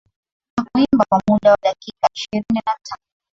Na kuimba kwa muda wa dakika ishirini na tano